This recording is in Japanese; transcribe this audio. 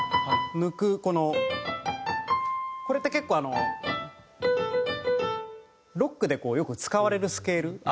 これって結構あのロックでよく使われるスケール。